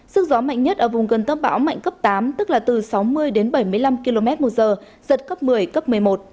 sức gió mạnh nhất ở vùng gần tâm bão mạnh cấp tám tức là từ sáu mươi đến bảy mươi năm km một giờ giật cấp một mươi cấp một mươi một